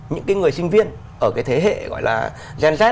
những cái người sinh viên ở cái thế hệ gọi là gen z